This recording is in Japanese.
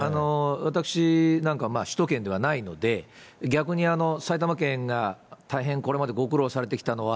私なんか、首都圏ではないので、逆に埼玉県が大変これまでご苦労されてきたのは、